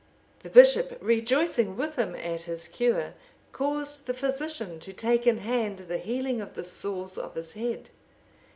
The bishop, rejoicing with him at his cure, caused the physician to take in hand the healing of the sores of his head.